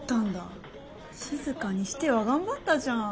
しずかにしては頑張ったじゃん。